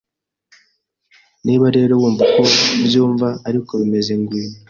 Niba rero wumva uko mbyumva ariko bimeze ngwino